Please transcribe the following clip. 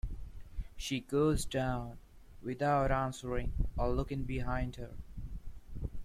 She goes down without answering or looking behind her.